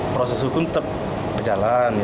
proses hukum tetap berjalan